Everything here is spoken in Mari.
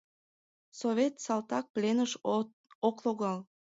«Совет салтак пленыш ок логал...»